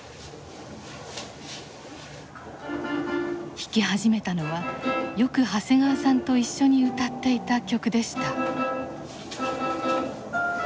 弾き始めたのはよく長谷川さんと一緒に歌っていた曲でした。